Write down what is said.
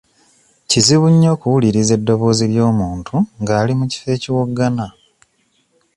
Kizibu nnyo okuwuliriza eddoboozi ly'omuntu nga ali mu kifo ekiwoggana.